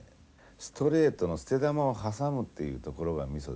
ストレートの捨て球を挟むっていうところがみそですね。